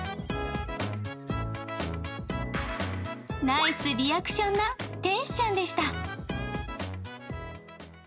ナイスリアクションな天使ちゃんでした。